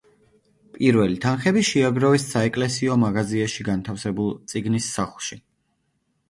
პირველი თანხები შეაგროვეს საეკლესიო მაღაზიაში განთავსებულ წიგნის სახლში.